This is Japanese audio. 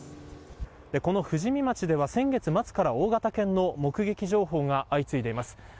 この富士見町では先月末から大型犬の目撃情報が相次いでいます。